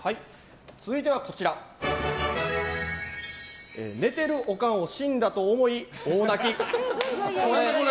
続いては、寝てるオカンを死んだと思い大泣き。